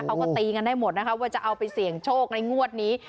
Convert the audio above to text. เขาก็ตีกันได้หมดนะคะว่าจะเอาไปเสี่ยงโชคในงวดนี้